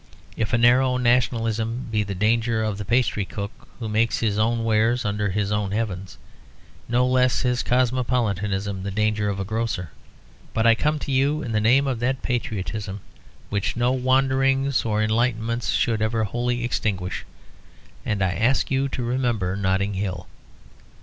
If a narrow nationalism be the danger of the pastry cook, who makes his own wares under his own heavens, no less is cosmopolitanism the danger of the grocer. But I come to you in the name of that patriotism which no wanderings or enlightenments should ever wholly extinguish, and I ask you to remember Notting Hill.